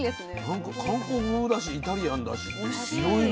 なんか韓国風だしイタリアンだしっていろいろ。